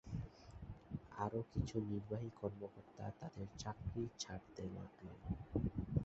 আরও কিছু নির্বাহী কর্মকর্তা তাদের চাকরি ছাড়তে লাগলেন।